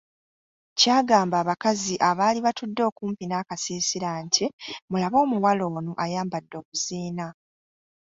Kyagamba abakazi abaali batudde okumpi n'akasiisira nti, mulabe omuwala ono ayambadde obuziina.